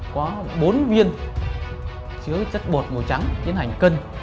có bốn viên chứa chất bột màu trắng tiến hành cân